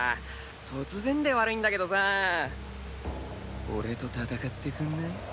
突然で悪いんだけどさ俺と戦ってくんない？